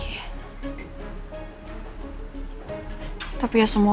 cuma yang tak kutipin saja